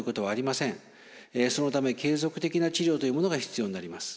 そのため継続的な治療というものが必要になります。